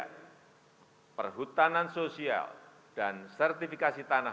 dan perhutanan sosial dan sertifikasi tanah